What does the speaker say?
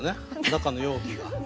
中の容器が。